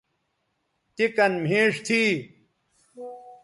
تے کن مھیݜ تھی